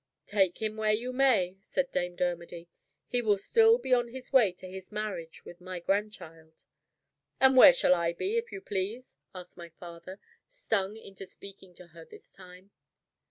"Take him where you may," said Dame Dermody, "he will still be on his way to his marriage with my grandchild." "And where shall I be, if you please?" asked my father, stung into speaking to her this time.